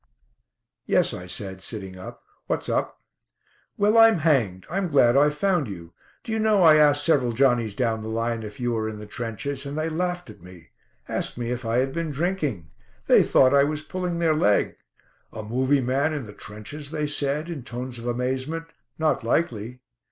"Yes," I said, sitting up. "What's up?" "Well, I'm hanged; I'm glad I've found you. Do you know, I asked several Johnnies down the line if you were in the trenches and they laughed at me; asked me if I had been drinking; they thought I was pulling their leg. 'A movie man in the trenches,' they said, in tones of amazement; 'not likely!'